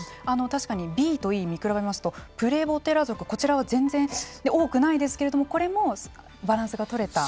確かにＢとＥ見比べますとプレボテラ属、こちらは全然多くないですけれどもこれもバランスが取れた。